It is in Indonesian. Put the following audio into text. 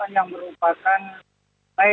gunung gunung kebuan yang merupakan